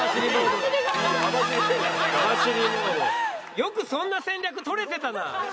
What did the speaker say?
よくそんな戦略とれてたな。